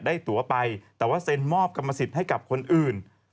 ได้ตัวไปแต่ว่าเซ็นมอบกรรมสิทธิ์ให้กับคนอื่น